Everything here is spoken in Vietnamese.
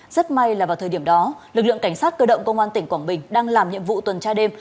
rất may là vào thời điểm đó lực lượng cảnh sát cơ động công an tỉnh quảng bình đang làm nhiệm vụ tuần tra đêm